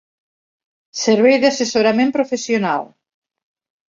Servei d'assessorament professional